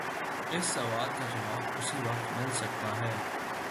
اس سوال کا جواب اسی وقت مل سکتا ہے۔